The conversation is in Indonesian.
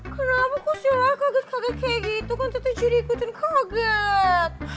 kenapa kok silla kaget kaget kayak gitu kan tetep jadi ikutan kaget